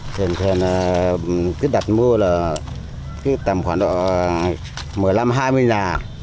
thường thường là cứ đặt mua là tầm khoảng một mươi năm hai mươi nhà